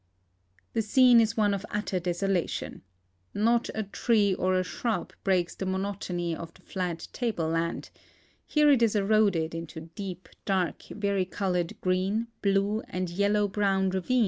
The scene is one of utter desolation. Not a tree or a shrul) breaks the monotony of the fiat tabledand ; here it is eroded into deep, dark, varicolored green, blue, and yellow brown ravine.